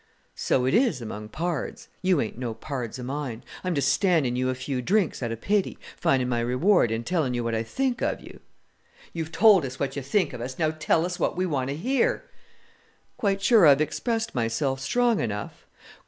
"So it is among pards. You ain't no pards of mine; I'm just standing you a few drinks out of pity, finding my reward in tellin' you what I think of you." "You've told us what you think of us. Now tell us what we want to hear." "Quite sure I've expressed myself strong enough?"